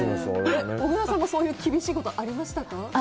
小倉さんもそういう厳しいことありましたか？